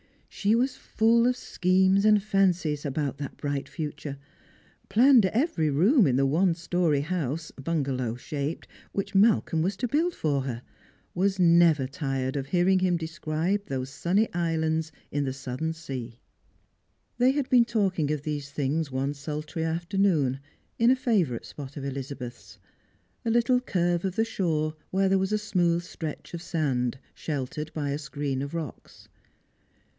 She was full of schemes and fancies about that bright future; planned every room in the one story house, bungalow shaped, which Malcolm was to build for her; was never tired of hearing him describe those sunny islands in the Southern Sea. They had been talking of these things one sultry afternoon, in a favourite spot of Elizabeth's, a little curve of the shore where there was a smooth stretch of sand, sheltered by a screen of rocks.